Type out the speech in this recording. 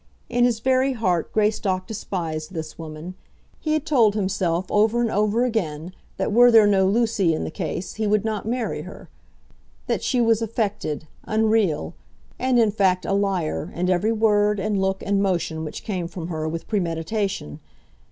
In his very heart Greystock despised this woman; he had told himself over and over again that were there no Lucy in the case he would not marry her; that she was affected, unreal, and, in fact, a liar in every word and look and motion which came from her with premeditation.